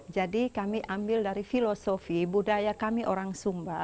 jadi kami ambil dari filosofi budaya kami orang sumba